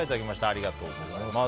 ありがとうございます。